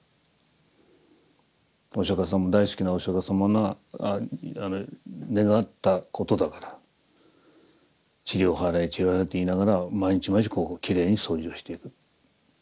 お釈様大好きなお釈様が願ったこと「塵を払え塵を払え」って言いながら毎日毎日ここをきれいに掃除をしていく。